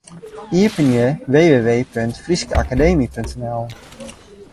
Iepenje www.fryskeakademy.nl.